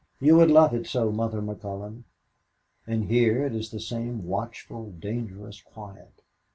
You would love it so, Mother McCullon. And here it is the same watchful, dangerous quiet.